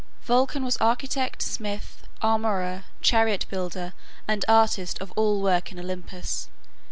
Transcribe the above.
Vulcan was architect, smith, armorer, chariot builder, and artist of all work in Olympus.